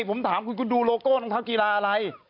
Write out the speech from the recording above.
ผมถามคุณคุณดูโลโก้ต้องทำกีฬาอะไร